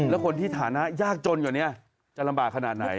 แล้วคนที่ฐานะยากจนกว่านี้จะลำบากขนาดไหน